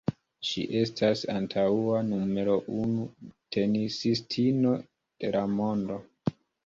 Ŝi estas antaŭa numero unu tenisistino de la mondo.